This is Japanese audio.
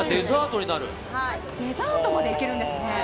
デザートもできるんですね。